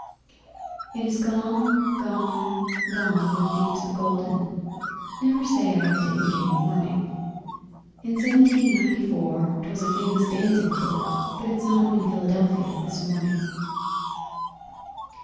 It is gone, gone, gone with Thebes the Golden (Never say I didn't give you warning). In Seventeen Ninety four 'twas a famous dancing floor But it's not in Philadelphia this morning.